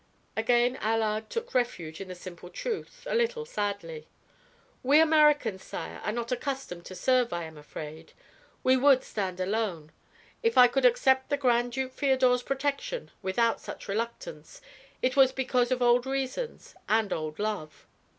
Again Allard took refuge in the simple truth, a little sadly. "We Americans, sire, are not accustomed to serve, I am afraid. We would stand alone. If I could accept the Grand Duke Feodor's protection without such reluctance, it was because of old reasons and old love."